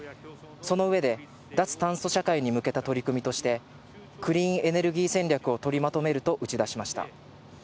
その上で、脱炭素社会に向けた取り組みとして、クリーンエネルギー戦略を取りまとめると打ち出しました。